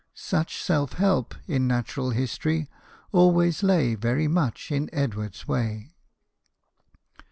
Such self help in natural history always lay very much in Edward's way.